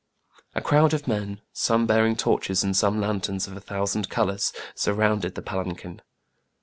A crowd of men, some bearing torches and some lanterns of a thousand colors, surrounded the palanquin.